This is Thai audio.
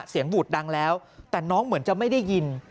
บูดดังแล้วแต่น้องเหมือนจะไม่ได้ยิน